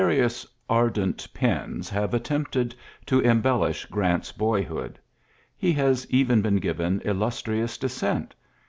Vasious ardent pens have attempted embellish Orant's boyhood. He has ren been given illustrious descent.